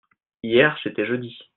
hier c'était jeudi.